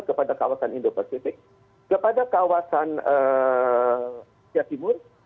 kepada kawasan indo pacific kepada kawasan timur